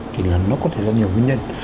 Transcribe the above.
thì nó có thể do nhiều nguyên nhân